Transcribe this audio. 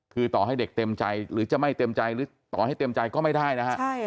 คือต่อให้เด็กเต็มใจหรือจะไม่เต็มใจหรือต่อให้เต็มใจก็ไม่ได้นะฮะ